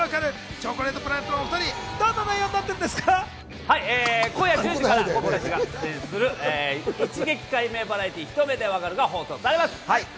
チョコレートプラネットの今夜１０時から、僕たちが出演する『一撃解明バラエティひと目でわかる！！』が放送されます。